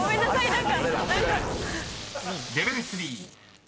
何か。